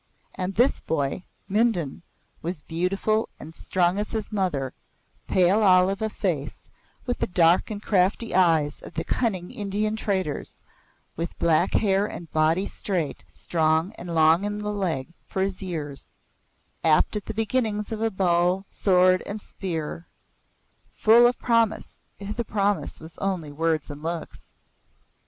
And this boy, Mindon, was beautiful and strong as his mother, pale olive of face, with the dark and crafty eyes of the cunning Indian traders, with black hair and a body straight, strong and long in the leg for his years apt at the beginnings of bow, sword and spear full of promise, if the promise was only words and looks.